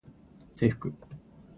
制服